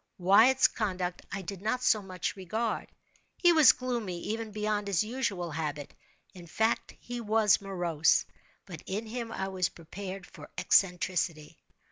Wyatt's conduct I did not so much regard. He was gloomy, even beyond his usual habit—in fact he was morose—but in him I was prepared for eccentricity.